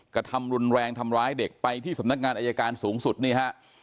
กระทำรุนแรงทำร้ายเด็กไปที่สำนักงานอายการสูงสุดนี่ฮะ